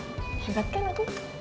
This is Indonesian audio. hebat kan aku